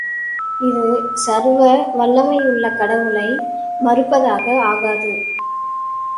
இது சர்வ வல்லமையுள்ள கடவுளை மறுப்பதாக ஆகாது.